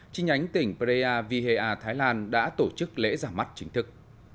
chi nhánh tỉnh prea vihea thái lan đã tổ chức lễ ra mắt chính thức